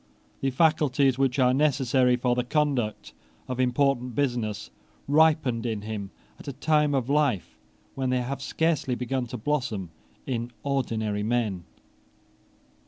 The faculties which are necessary for the conduct of important business ripened in him at a time of life when they have scarcely begun to blossom in ordinary men.